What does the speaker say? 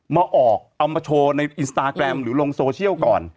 มาออกเอามาโชว์ในอินสตาแกรมหรือลงโซเชียลก่อน